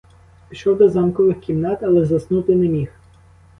Пішов до замкових кімнат, але заснути не міг.